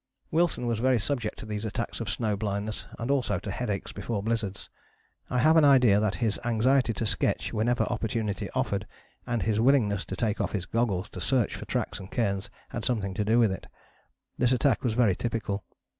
" Wilson was very subject to these attacks of snow blindness, and also to headaches before blizzards. I have an idea that his anxiety to sketch whenever opportunity offered, and his willingness to take off his goggles to search for tracks and cairns, had something to do with it. This attack was very typical.